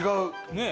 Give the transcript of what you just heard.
ねえ！